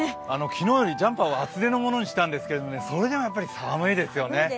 昨日よりジャンパーを厚手のものにしたんですけれどもそれでもやっぱり寒いですよね。